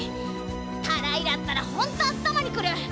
タライラったらほんとあったまにくる！